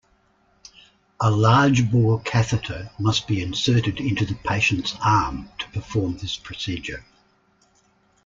A large-bore catheter must be inserted into the patient's arm to perform this procedure.